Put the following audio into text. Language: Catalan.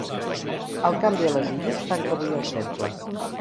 El canvi a les Illes tanca avui el cercle.